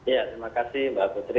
ya terima kasih mbak putri